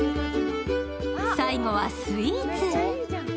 最後はスイーツ。